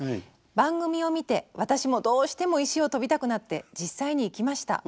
「番組を見て私もどうしても石をとびたくなって実際に行きました。